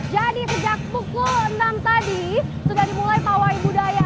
jadi sejak pukul enam tadi sudah dimulai pawai budaya